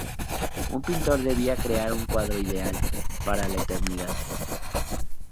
Un pintor debía crear un cuadro ideal, para la eternidad.